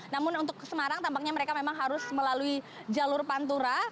namun untuk semarang tampaknya mereka memang harus melalui jalur pantura